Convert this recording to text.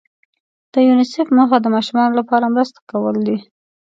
د یونیسف موخه د ماشومانو لپاره مرسته کول دي.